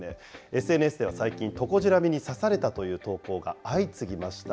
ＳＮＳでは最近、トコジラミに刺されたという投稿が相次ぎました。